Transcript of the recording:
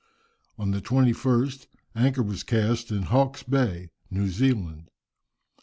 On the 21st, anchor was cast in Hawke's Bay, New Zealand.